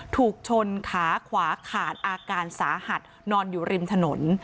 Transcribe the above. ถูกชนขาขวาขาดอาการสาหัสนอนอยู่ริมถนน